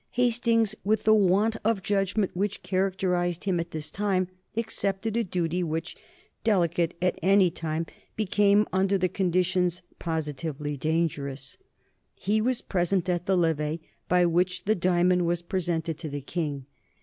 Hastings, with the want of judgment which characterized him at this time, accepted a duty which, delicate at any time, became under the conditions positively dangerous. He was present at the Levee at which the diamond was presented to the King.